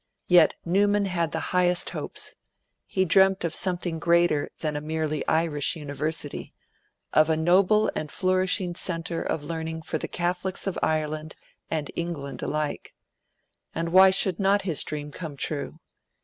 Yet Newman had the highest hopes. He dreamt of something greater than a merely Irish University of a noble and flourishing centre of learning for the Catholics of Ireland and England alike. And why should not his dream come true?